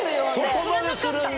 そこまでするんだ。